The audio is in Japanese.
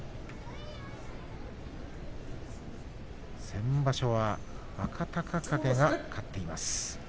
先場所は若隆景が勝っています。